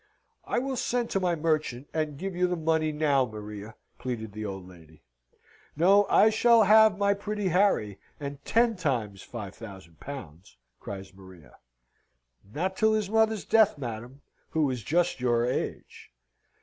"I will send to my merchant, and give you the money now, Maria," pleaded the old lady. "No, I shall have my pretty Harry, and ten times five thousand pounds!" cries Maria. "Not till his mother's death, madam, who is just your age!"